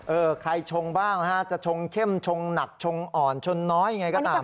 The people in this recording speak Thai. ใครชงบ้างนะฮะจะชงเข้มชงหนักชงอ่อนชงน้อยยังไงก็ตาม